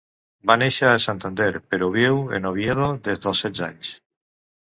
Va néixer a Santander, però viu en Oviedo des dels setze anys.